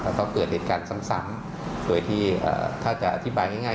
แล้วก็เกิดเหตุการณ์ซ้ำโดยที่ถ้าจะอธิบายง่าย